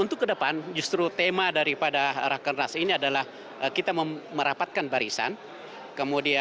untuk ke depan justru tema daripada rakyat karnas ini adalah kita merapatkan barisan kemudian menggerakkan mesin partai